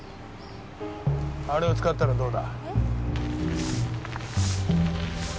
あれを使ったらどうだ？